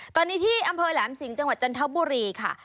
ตอนนี้ที่อำเภอแหลมสิงห์จังหวัดจันทบุรีค่ะ